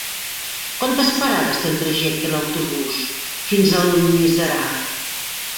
Quantes parades té el trajecte en autobús fins a Almiserà?